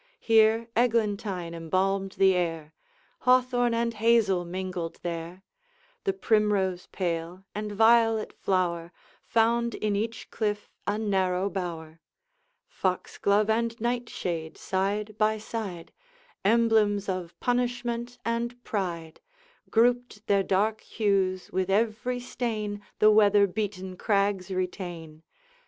Here eglantine embalmed the air, Hawthorn and hazel mingled there; The primrose pale and violet flower Found in each cliff a narrow bower; Foxglove and nightshade, side by side, Emblems of punishment and pride, Grouped their dark hues with every stain The weather beaten crags retain.